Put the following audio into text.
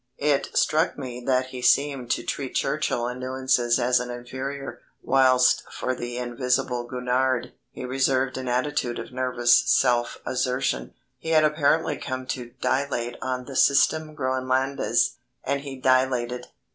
It struck me that he seemed to treat Churchill in nuances as an inferior, whilst for the invisible Gurnard, he reserved an attitude of nervous self assertion. He had apparently come to dilate on the Système Groënlandais, and he dilated.